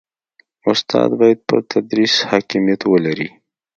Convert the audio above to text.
استاد باید پر تدریس حاکمیت ولري.